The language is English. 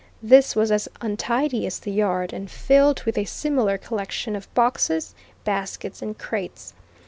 This was as untidy as the yard, and filled with a similar collection of boxes, baskets and crates.